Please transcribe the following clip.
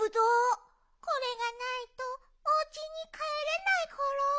これがないとおうちにかえれないコロ。